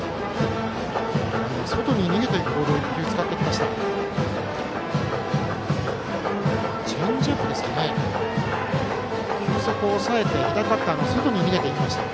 外に逃げていくボールを使ってきました。